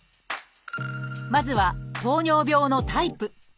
まずは糖尿病のタイプ。